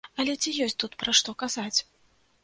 Але ці ёсць тут пра што казаць?